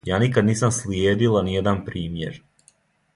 Ја никад нисам слиједила ниједан примјер.